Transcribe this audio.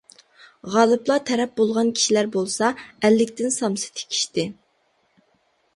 غالىپلار تەرەپ بولغان كىشىلەر بولسا، ئەللىكتىن سامسا تىكىشتى.